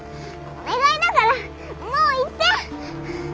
お願いだからもう行って。